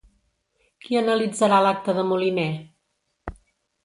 Qui analitzarà l'acte de Moliner?